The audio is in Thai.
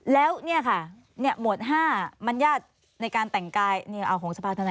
แล้วเนี่ยค่ะหมวด๕มัญญาตในการแต่งกายเอาของเฉพาะทานายค่ะ